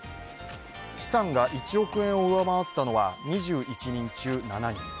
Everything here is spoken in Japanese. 資産が１億円を上回ったのは２１人中７人。